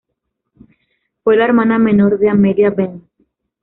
Fue la hermana menor de Amelia Bence.